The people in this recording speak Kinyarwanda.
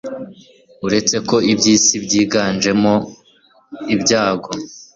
uretse ko iby'isi byiganjemo ibyago